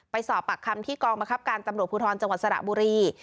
ไปสอบปากคำที่กองบังคับการตำรวจภูทรจังหวัดสระบุรี